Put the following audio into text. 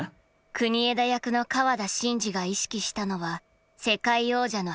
国枝役の川田紳司が意識したのは世界王者の迫力。